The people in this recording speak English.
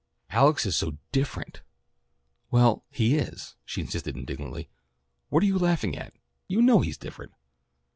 Alex is so different. Well, he is," she insisted indignantly. "What are you laughing at? You know he's different."